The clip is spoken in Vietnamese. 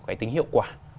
cái tính hiệu quả